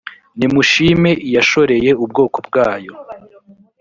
nimushime iyashorereye ubwoko bwayo